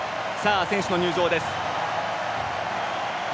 選手の入場です。